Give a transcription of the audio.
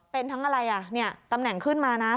เป็นทั้งอะไรอ่ะเนี่ยตำแหน่งขึ้นมานะ